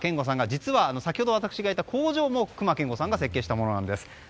実は、先ほど私がいた工場も隈研吾さんが設計したものなんです。